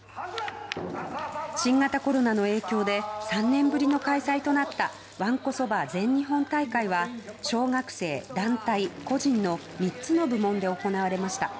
新型コロナの影響で３年ぶりの開催となったわんこそば全日本大会は小学生、団体、個人の３つの部門で行われました。